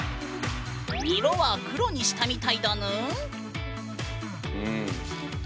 色は黒にしたみたいだぬーん。